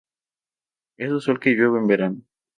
Es usual que llueva en verano.